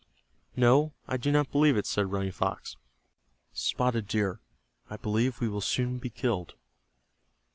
"No, I do not believe it," said Running Fox. "Spotted Deer, I believe we will soon be killed."